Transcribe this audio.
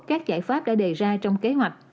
các giải pháp đã đề ra trong kế hoạch